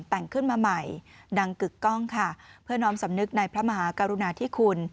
แต่งขึ้นมาใหม่ดังกึกกล้องค่ะเพื่อน้อมสำนึกในพระมหากรุณาธิคุณ